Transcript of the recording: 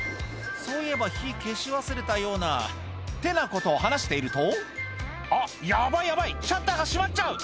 そういえば火消し忘れたような」ってなことを話していると「あっヤバいヤバいシャッターが閉まっちゃう」